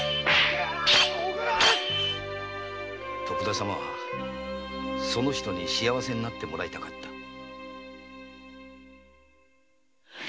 徳田様はその女に幸せになってもらいたかった